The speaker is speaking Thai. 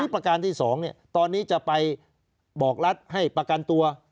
ประการที่๒ตอนนี้จะไปบอกรัฐให้ประกันตัว